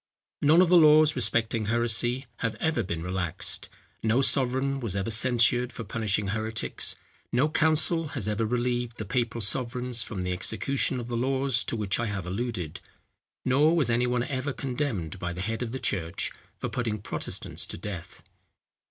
None of the laws respecting heresy have ever been relaxed; no sovereign was ever censured for punishing heretics; no council has ever relieved the papal sovereigns from the execution of the laws to which I have alluded; nor was any one ever condemned by the head of the church for putting Protestants to death.